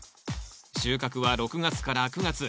収穫は６月から９月。